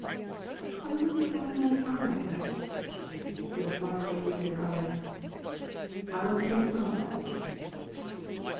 "I wond : why men are like that?" she said, with a far away look in her eyes. "I want to make a compact with you," he said.